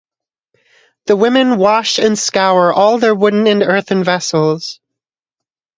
The women wash and scour all their wooden and earthen vessels.